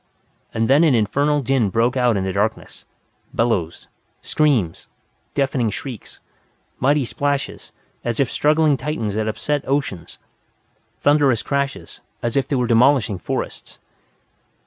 And then an infernal din broke out in the darkness. Bellows. Screams. Deafening shrieks. Mighty splashes, as if struggling Titans had upset oceans. Thunderous crashes, as if they were demolishing forests.